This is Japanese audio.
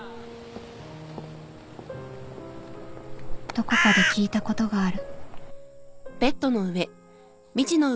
どこかで聞いたことがある